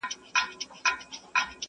ته هغه یې چي په پاڼود تاریخ کي مي لوستلې!!